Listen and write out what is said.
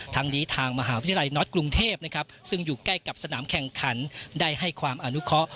ทั้งนี้ทางมหาวิทยาลัยน็อตกรุงเทพนะครับซึ่งอยู่ใกล้กับสนามแข่งขันได้ให้ความอนุเคาะ